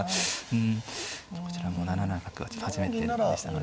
うんこちらも７七角はちょっと初めてでしたので。